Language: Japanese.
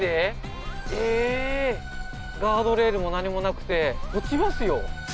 ガードレールも何もなくて落ちますよ